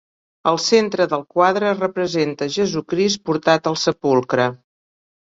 El centre del quadre representa Jesucrist portat al sepulcre.